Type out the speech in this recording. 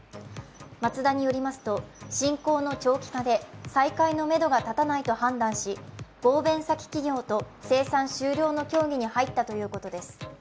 マツダによりますと、侵攻の長期化で再開のめどが立たないと判断し、合弁先企業と生産終了の協議に入ったということです。